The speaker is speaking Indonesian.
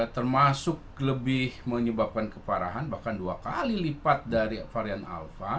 termasuk lebih menyebabkan keparahan bahkan dua kali lipat dari varian alpha